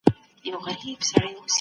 تش شعارونه هېڅکله درد نه سي دوا کولای.